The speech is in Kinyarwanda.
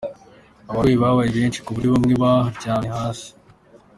Abarwayi babaye benshi ku buryo bamwe baryamye hasi.